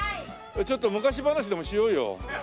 ちょっと昔話でもしようよ。